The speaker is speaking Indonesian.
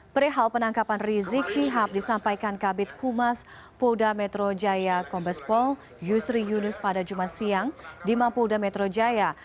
perihal penangkapan rizik syihab disampaikan kabit humas polda metro jaya kombespol yusri yunus pada jumat siang di mampolda metro jaya